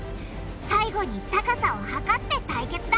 最後に高さを測って対決だ！